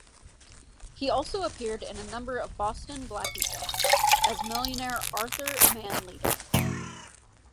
He also appeared in a number of Boston Blackie films as millionaire Arthur Manleder.